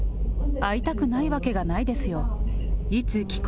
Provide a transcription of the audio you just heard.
会いたくないわけがないですよ。